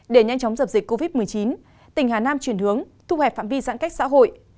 để nhanh chóng dập dịch covid một mươi chín tỉnh hà nam chuyển hướng thu hẹp phạm vi giãn cách xã hội